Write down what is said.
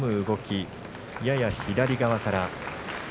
動きやや左側から。